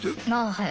はい。